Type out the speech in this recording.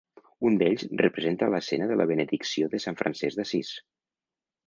Un d'ells representa l'escena de la benedicció de Sant Francesc d'Assís.